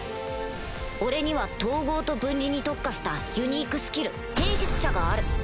俺には統合と分離に特化したユニークスキル変質者がある